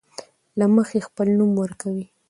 له مخې خپل نوم ورکوي.